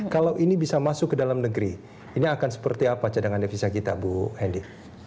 kalau ini bisa masuk ke dalam negeri ini akan seperti apa cadangan devisa kita bu hendy